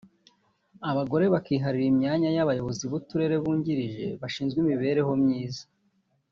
abagore bakiharira imyanya y’abayobozi b’uturere bungirije bashinzwe imibereho myiza